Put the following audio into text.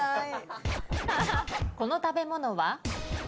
この食べ物は？